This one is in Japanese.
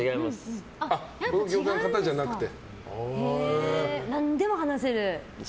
業界の方じゃないんだ。